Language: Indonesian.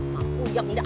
mampu yang dah